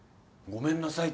ごめんなさい。